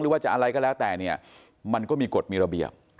ว่าจะอะไรก็แล้วแต่เนี่ยมันก็มีกฎมีระเบียบ